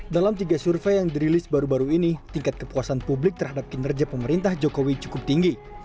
dalam tiga survei yang dirilis baru baru ini tingkat kepuasan publik terhadap kinerja pemerintah jokowi cukup tinggi